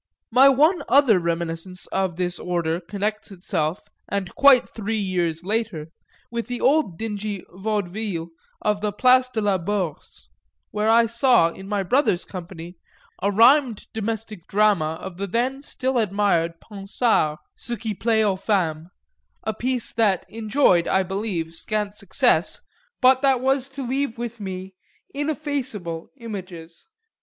My one other reminiscence of this order connects itself, and quite three years later, with the old dingy Vaudeville of the Place de la Bourse, where I saw in my brother's company a rhymed domestic drama of the then still admired Ponsard, Ce qui Plaît aux Femmes; a piece that enjoyed, I believe, scant success, but that was to leave with me ineffaceable images.